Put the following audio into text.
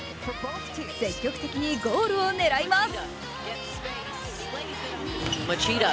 積極的にゴールを狙います。